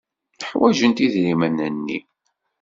Ḥwajent idrimen-nni.